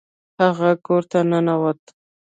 هغه کور ته ننوت.